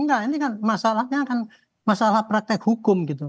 enggak ini kan masalahnya kan masalah praktek hukum gitu